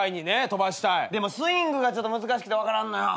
でもスイングがちょっと難しくて分からんのよ。